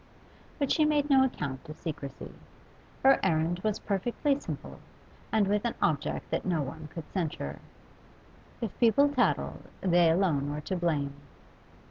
But she made no account of secrecy; her errand was perfectly simple and with an object that no one could censure. If people tattled, they alone were to blame.